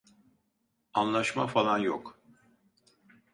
Anlaşma falan yok.